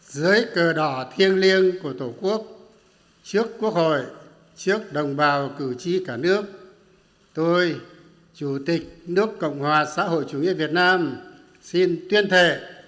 dưới cờ đỏ thiêng liêng của tổ quốc trước quốc hội trước đồng bào cử tri cả nước tôi chủ tịch nước cộng hòa xã hội chủ nghĩa việt nam xin tuyên thệ